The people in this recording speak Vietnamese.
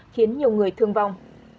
khiến nhiều người thương vong